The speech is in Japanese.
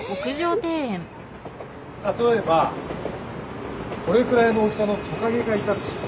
例えばこれくらいの大きさのトカゲがいたとします。